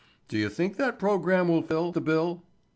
Do you think that program will fill the bill?"